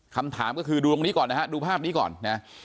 คำถามก็คือดูตรงนี้ก่อนนะฮะดูภาพนี้ก่อนนะ